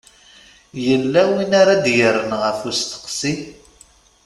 Yella win ara d-yerren ɣef usteqsi?